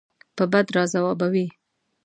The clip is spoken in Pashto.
په بد راځوابوي.